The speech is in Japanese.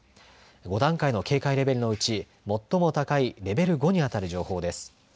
５段階の警戒レベルのうち最もレベルの高いレベル５に当たる情報です。